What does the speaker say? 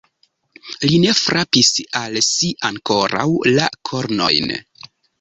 Li ne frapis al si ankoraŭ la kornojn.